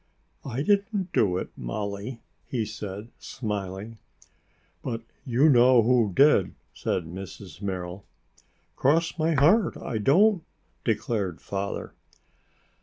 "I didn't do it, Molly," he said smiling. "But you know who did," said Mrs. Merrill. "Cross my heart, I don't," declared Father.